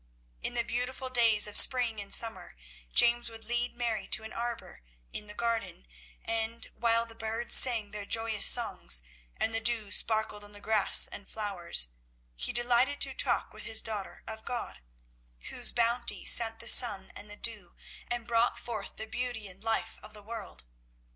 In the beautiful days of spring and summer, James would lead Mary to an arbour in the garden, and, while the birds sang their joyous songs, and the dew sparkled on the grass and flowers, he delighted to talk with his daughter of God, whose bounty sent the sun and the dew, and brought forth the beauty and life of the world.